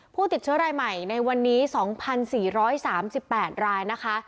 ผู้ติดเชื้อรายใหม่ในวันนี้๒๔๓๘รายนะคะ